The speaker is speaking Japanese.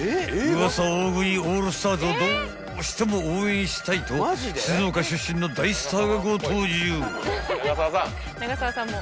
［ウワサ大食いオールスターズをどうしても応援したいと静岡出身の大スターがご登場］